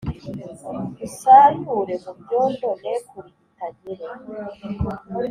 Unsayure mu byondo ne kurigita Nkire